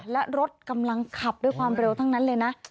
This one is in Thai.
และรถกำลังขับด้วยความเร็วทั้งนั้นเลยนะ